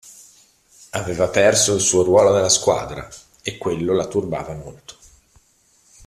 Aveva perso il suo ruolo nella squadra, e quello la turbava molto.